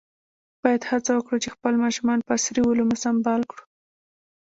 باید هڅه وکړو چې خپل ماشومان په عصري علومو سمبال کړو.